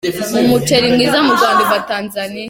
Umuceri mwiza mu Rwanda, uva Tanzaniya.